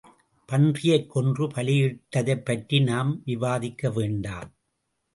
பன்றியைக் கொன்று பலியிட்டதைப்பற்றி நாம் விவாதிக்கவேண்டா.